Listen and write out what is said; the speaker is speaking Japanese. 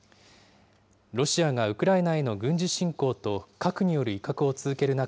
ロシアがウクライナへの軍事侵攻と、核による威嚇を続ける中、